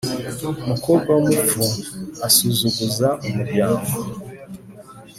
Umukobwa w’umupfu asuzuguza umuryango.